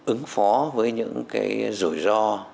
ứng phó với những rủi ro